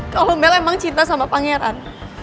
kalau mela emang cinta sama pangeran